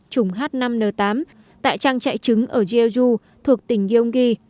trùng h năm n tám tại trang trại trứng ở jeju thuộc tỉnh gyeonggi